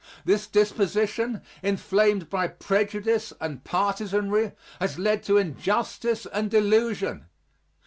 This disposition, inflamed by prejudice and partisanry, has led to injustice and delusion.